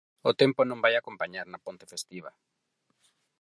O tempo non vai acompañar na ponte festiva.